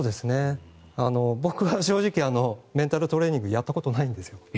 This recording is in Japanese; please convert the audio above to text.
僕は正直メンタルトレーニングをやったことないんですよ。